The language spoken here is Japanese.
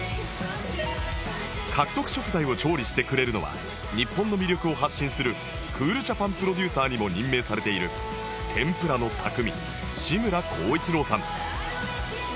獲得食材を調理してくれるのは日本の魅力を発信するクールジャパン・プロデューサーにも任命されている天ぷらの匠志村幸一郎さん